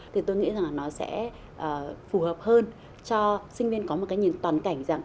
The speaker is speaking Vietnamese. thì tôi nghĩ rằng là nó sẽ phù hợp hơn cho sinh viên có một cái nhìn toàn cảnh rằng